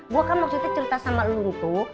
gue kan maksudnya cerita sama lo gitu